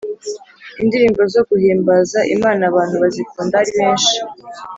Indirimbo zo guhimbaza imana abantu bazikunda aribenshi